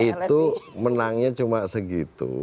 itu menangnya cuma segitu